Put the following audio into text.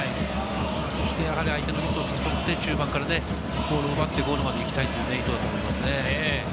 そして相手のミスを誘って、中盤からボールを奪ってゴールまで行きたいという意図だと思います。